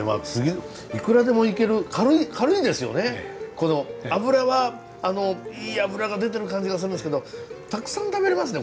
この脂はいい脂が出てる感じがするんですけどたくさん食べれますね